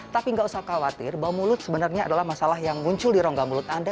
tapi nggak usah khawatir bau mulut sebenarnya adalah masalah yang muncul di rongga mulut anda